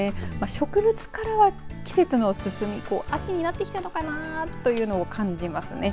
植物からは季節の進み秋になってきたのかなというのを感じますね。